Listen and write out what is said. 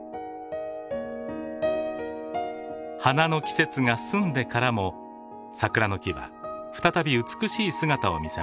花の季節が済んでからも桜の木は再び美しい姿を見せます。